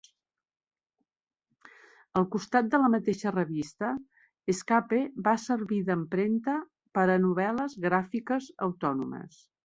Al costat de la mateixa revista, "Escape" va servir d'empremta per a novel·les gràfiques autònomes.